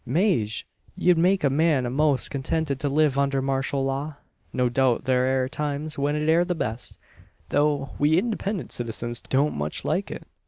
"Maje! ye'd make a man a'most contented to live under marshul law. No doubt thur air times when it air the best, tho' we independent citizens don't much like it.